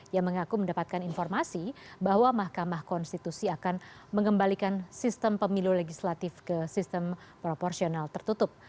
yang mengaku mendapatkan informasi bahwa mahkamah konstitusi akan mengembalikan sistem pemilu legislatif ke sistem proporsional tertutup